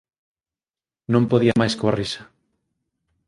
Non podía máis coa risa